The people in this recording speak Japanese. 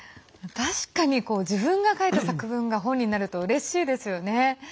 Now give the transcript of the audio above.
確かに自分が書いた作文が本になると、うれしいですよね。